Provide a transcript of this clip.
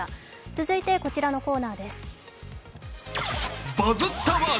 続いて、こちらのコーナーです。